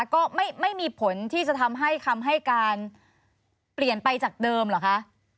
ก็ไม่มีผลที่จะทำให้คำให้การเปลี่ยนไปจากเดิมเหรอคะ